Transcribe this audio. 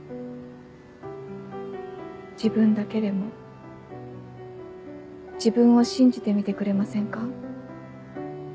自分だけでも自分を信じてみてくれませんか？